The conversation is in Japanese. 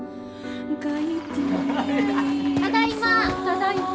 ただいま！